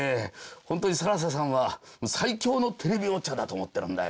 本当に更紗さんは最強のテレビウォッチャーだと思ってるんだよ。